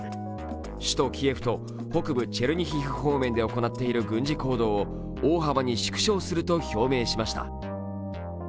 首都キエフと北部チェルニヒフ方面で行っている軍事行動を大幅に縮小すると表明しました。